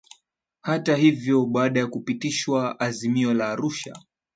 Hata hivyo baada ya kupitishwa Azimio la Arusha